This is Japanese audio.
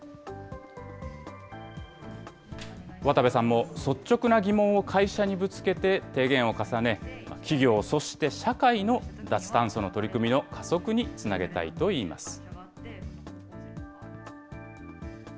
渡部さんも率直な疑問を会社にぶつけて提言を重ね、企業、そして社会の脱炭素の取り組みの加速につなげたいといいます。